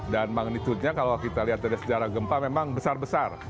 dan magnitudenya kalau kita lihat dari sejarah gempa memang besar besar